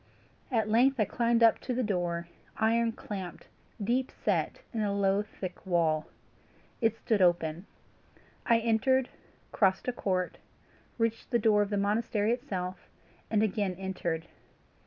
At length I came up to the door, iron clamped, deep set in a low thick wall. It stood wide open. I entered, crossed a court, reached the door of the monastery itself, and again entered.